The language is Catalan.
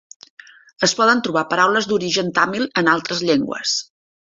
Es poden trobar paraules d'origen tamil en altres llengües.